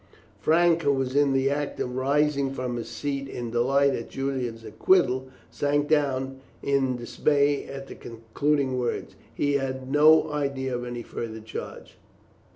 Frank, who was in the act of rising from his seat in delight at Julian's acquittal, sank down again in dismay at the concluding words. He had no idea of any further charge.